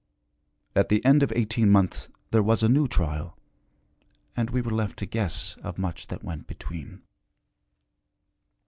At the end of eighteen months there was a new trial, and we were left to guess of much that went between.